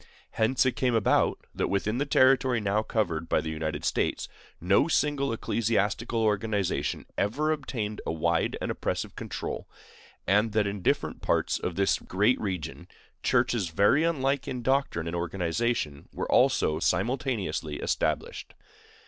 Hence it came about that within the territory now covered by the United States no single ecclesiastical organization ever obtained a wide and oppressive control, and that in different parts of this great region churches very unlike in doctrine and organization were almost simultaneously established.